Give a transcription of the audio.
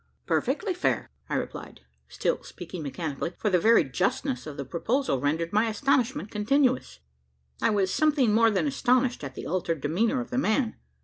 "Perfectly fair," I replied, still speaking mechanically for the very justness of the proposal rendered my astonishment continuous. I was something more than astonished at the altered demeanour of the man.